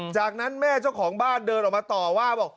จากนั้นแม่เจ้าของบ้านเดินออกมาต่อว่าบอก